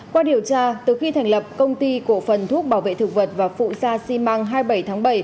qua điều tra từ khi thành lập công ty cổ phần thuốc bảo vệ thực vật và phụ sa xi măng hai mươi bảy tháng bảy